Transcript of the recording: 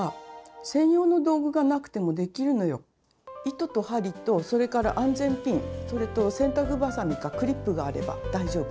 糸と針とそれから安全ピンそれと洗濯ばさみかクリップがあれば大丈夫。